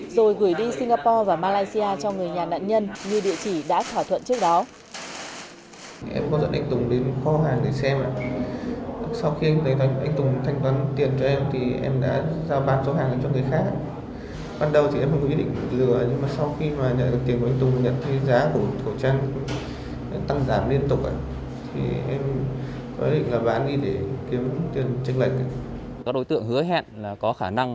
rồi gửi đi singapore và malaysia cho người nhà nạn nhân như địa chỉ đã thỏa thuận trước đó